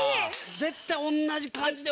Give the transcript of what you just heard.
絶対同じ感じで。